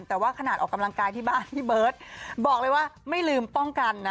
แต่ว่าขนาดออกกำลังกายที่บ้านพี่เบิร์ตบอกเลยว่าไม่ลืมป้องกันนะ